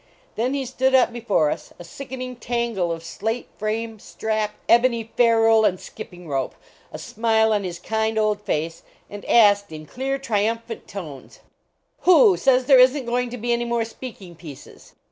Then he stood up before us, a sickening tangle of slate frame, strap, ebony ferule and skipping rope, a smile on his kind old face, and asked, in clear, triumphant tones: " WHO says there isn t going to be any more speaking pieces?"